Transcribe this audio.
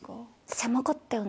狭かったよね？